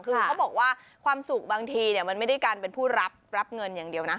คือเขาบอกว่าความสุขบางทีมันไม่ได้การเป็นผู้รับเงินอย่างเดียวนะ